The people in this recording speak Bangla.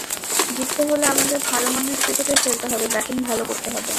জিততে হলে আমাদের ভালো মানের ক্রিকেটই খেলতে হবে, ব্যাটিং ভালো করতে হবে।